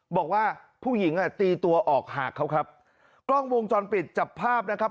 บอกว่าผู้หญิงอ่ะตีตัวออกหากเขาครับกล้องวงจรปิดจับภาพนะครับ